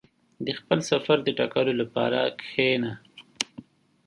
• د خپل سفر د ټاکلو لپاره کښېنه.